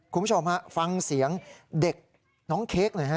คุณผู้ชมฮะฟังเสียงเด็กน้องเค้กหน่อยฮะ